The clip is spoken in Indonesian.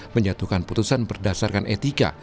menyatukan putusan berdasarkan etika